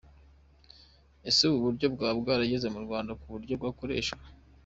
Ese ubu buryo bwaba bwarageze mu Rwanda ku buryo bwakoreshwa?.